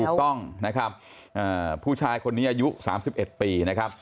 ถูกต้องนะครับผู้ชายคนนี้อายุ๓๑ปีนะครับ